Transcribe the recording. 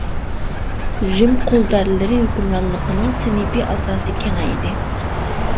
رىم قۇلدارلىرى ھۆكۈمرانلىقىنىڭ سىنىپىي ئاساسى كېڭەيدى.